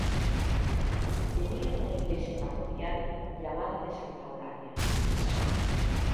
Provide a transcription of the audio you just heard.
Tenía una iglesia parroquial llamada de Santa Eulalia.